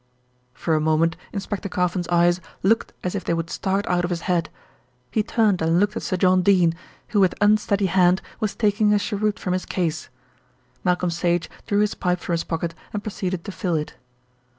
For a moment Inspector Carfon's eyes looked as if they would start out of his head. He turned and looked at Sir John Dene, who with unsteady hand was taking a cheroot from his case. Malcolm Sage drew his pipe from his pocket and proceeded to fill it.